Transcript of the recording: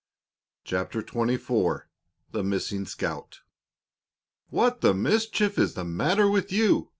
CHAPTER XXIV THE MISSING SCOUT "What the mischief is the matter with you?"